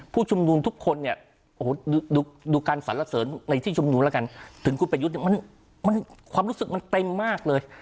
ผู้ชุมนุมทุกคนเนี่ยโอ้โหดูการสรรเสริญในที่ชุมนุมแล้วกันถึงคุณประยุทธ์เนี่ยมันความรู้สึกมันเต็มมากเลย